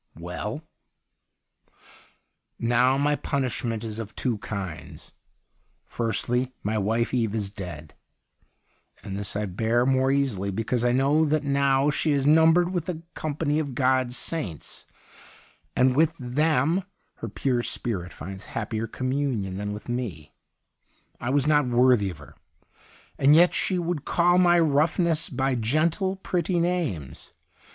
' Well r ' Now my punishment is of two kinds. Firstly, my wife. Eve, is 118 THE UNDYING THING dead. And this I bear more easily because I know that now she is numbered with the company of God's saints, and with them her pure spirit finds happier communion than with me ; I was not worthy of her. And yet she would call my roughness by gentle, pretty names.